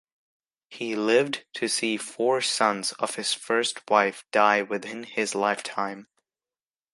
He lived to see four sons of his first wife die within his lifetime.